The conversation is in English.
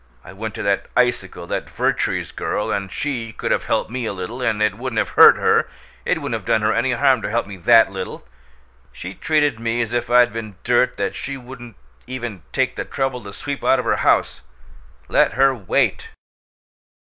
I went to that icicle that Vertrees girl and she could have helped me a little, and it wouldn't have hurt her. It wouldn't have done her any harm to help me THAT little! She treated me as if I'd been dirt that she wouldn't even take the trouble to sweep out of her house! Let her WAIT!"